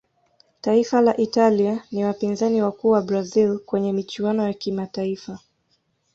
taifa la italia ni wapinzani wakuu wa brazil kwenye michuano ya kimataifa